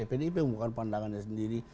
pdip mengungkapkan pandangannya sendiri